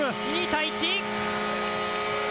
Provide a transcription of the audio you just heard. ２対１。